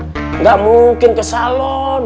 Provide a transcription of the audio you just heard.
tidak mungkin ke salon